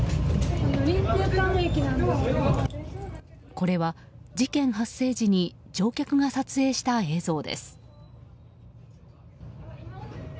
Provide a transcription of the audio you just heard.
これは事件発生時に乗客が撮影した映像です。